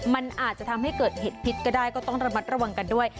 มันอาจจะทำให้เกิดเหตุพิษก็ได้ก็ต้องระมัดระวังกันด้วย